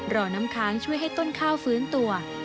รอน้ำค้างช่วยให้ต้นข้าวฟื้นตัว